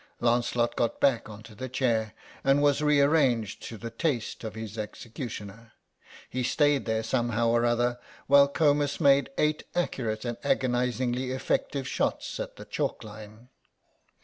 Lancelot got back on to the chair, and was re arranged to the taste of his executioner. He stayed there somehow or other while Comus made eight accurate and agonisingly effective shots at the chalk line.